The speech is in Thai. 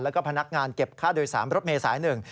แล้วก็พนักงานเก็บค่าโดยสารรถเมษายหนึ่ง